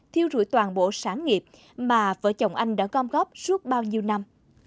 thiêu rụi toàn bộ sản nghiệp mà vợ chồng anh đã gom góp suốt bao nhiêu năm